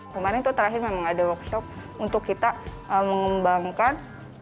kemarin tuh terakhir memang ada workshop untuk kita mengembangkan